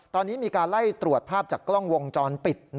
ตอนนี้มีการไล่ตรวจภาพจากกล้องวงจรปิด